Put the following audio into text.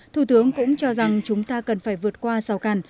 thủ tướng cũng cho rằng chúng ta cần phải vượt qua rào càn